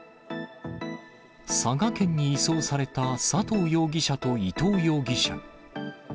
佐賀県に移送された佐藤容疑者と伊藤容疑者。